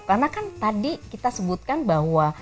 karena kan tadi kita sebutkan bahwa